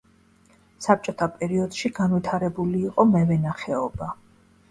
საბჭოთა პერიოდში განვითარებული იყო მევენახეობა.